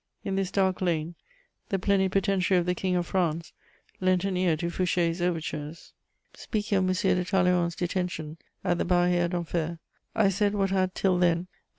In this dark lane, the plenipotentiary of the King of France lent an ear to Fouché's overtures. Speaking of M. de Talleyrand's detention at the Barrière d'Enfer, I said what had, till then, been M.